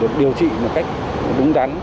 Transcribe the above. được điều trị một cách đúng đắn